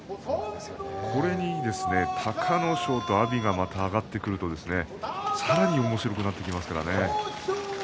これに隆の勝と阿炎が上がってくるとさらに、おもしろくなってきますからね。